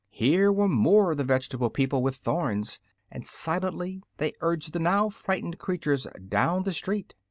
Here were more of the vegetable people with thorns, and silently they urged the now frightened creatures down the street.